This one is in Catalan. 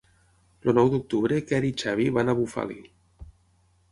El nou d'octubre en Quer i en Xavi van a Bufali.